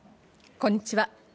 こんにちは。